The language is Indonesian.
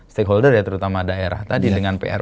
stakeholder ya terutama daerah tadi dengan pr